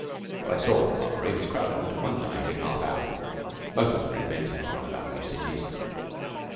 What I saw of Calgary was crowded into one lively half hour (motors were invented to run about new cities).